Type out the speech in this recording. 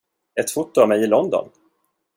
Ett foto av mig i London!